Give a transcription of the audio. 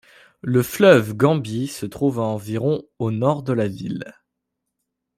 Le fleuve Gambie se trouve à environ au nord de la ville.